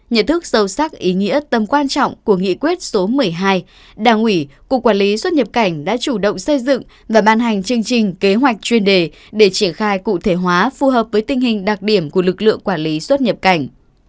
nhận thức sâu sắc ý nghĩa tâm quan trọng của nghị quyết số một mươi hai đảng ủy cục quản lý xuất nhập cảnh đã chủ động xây dựng và ban hành chương trình kế hoạch chuyên đề để triển khai cụ thể hóa phù hợp với tình hình đặc điểm của lực lượng quản lý xuất nhập cảnh